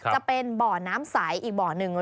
จะเป็นบ่อน้ำใสอีกบ่อหนึ่ง